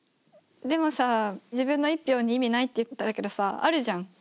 でもさ自分の１票に意味ないって言ってたけどさあるじゃん。